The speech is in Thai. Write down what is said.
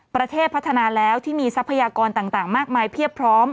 ประเทศพัฒนาแล้วที่มีทรัพยากรต่างมากมายเพียบพร้อม